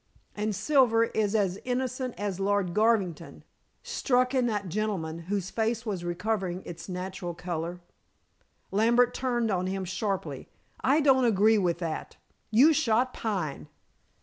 "And Silver is as innocent as Lord Garvington," struck in that gentleman, whose face was recovering its natural color. Lambert turned on him sharply. "I don't agree with that. You shot Pine!"